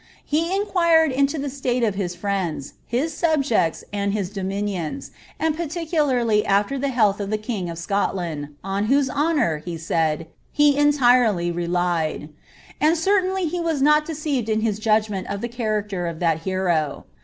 He inqnirrd into the state of hii> friends, Iw •ubjeets, and his dominions, and particularly after the hmlilt of ilie kuf of Scotland, on whose honour, lie said, he entirely relied ; and certainly he was not deceived in his judgment of the character of that hero.